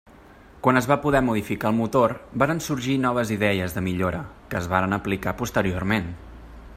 Quan es va poder modificar el motor varen sorgir noves idees de millora, que es varen aplicar posteriorment.